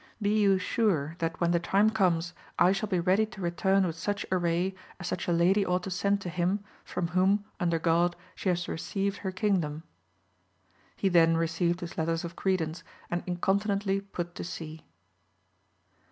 Be you sure that when the time comes I shall be ready to return with such array as such a lady ought to send to him, from whom, under God, she has received her kingdom. He then received his letters of credence, and incontinently put to sea.